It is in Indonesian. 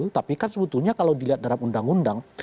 tapi kan sebetulnya kalau dilihat dalam undang undang